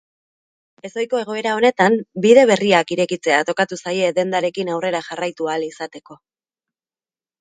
Ezohiko egoera honetan bide berriak irekitzea tokatu zaie dendarekin aurrera jarraitu ahal izateko.